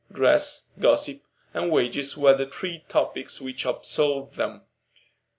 Dress, gossip, and wages were the three topics which absorbed them.